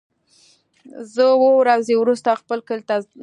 زه اووه ورځې وروسته خپل کلی ته ځم.